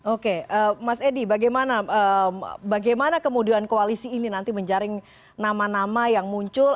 oke mas edi bagaimana kemudian koalisi ini nanti menjaring nama nama yang muncul